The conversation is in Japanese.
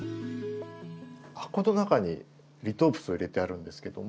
箱の中にリトープスを入れてあるんですけども。